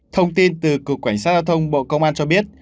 thông tin từ cục cảnh sát giao thông bộ công an cho biết